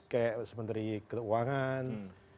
kayak sementeri keuangan